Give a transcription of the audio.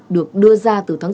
được đưa ra từ tháng bốn